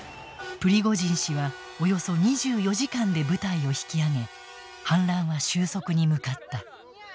プリゴジン氏はおよそ２４時間で部隊を引き揚げ反乱は収束に向かった。